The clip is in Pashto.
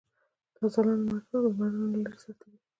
تا ځلاند لمرونه لرې ساتلي.